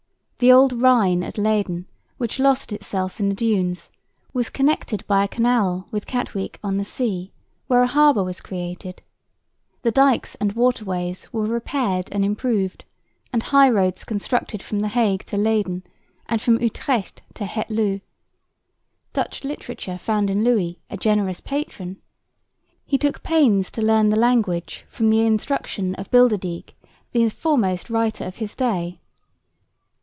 The old Rhine at Leyden, which lost itself in the dunes, was connected by a canal with Katwijk on the sea, where a harbour was created. The dykes and waterways were repaired and improved, and high roads constructed from the Hague to Leyden, and from Utrecht to Het Loo. Dutch literature found in Louis a generous patron. He took pains to learn the language from the instruction of Bilderdijk, the foremost writer of his day.